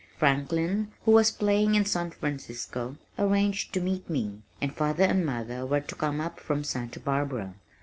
Franklin, who was playing in San Francisco, arranged to meet me, and father and mother were to come up from Santa Barbara.